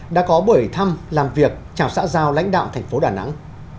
đã có buổi thăm làm việc chào xã giao lãnh đạo thành phố đà nẵng